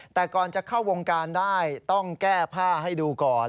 แต่ก่อนจะเข้าวงการได้ต้องแก้ผ้าให้ดูก่อน